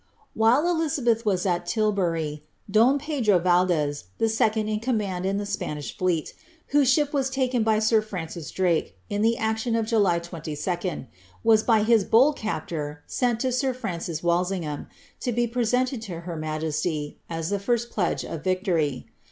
''* While Elizabeth was at Tilbury, Don Pedro Valdez, the second in command in the Spanish fleet, whose ship was taken by sir Francis Drake, in the action of July 22d, was by his bold captor sent to sir Francis Walsingham, to be presented to her majesty, as the first pledge of Tictory.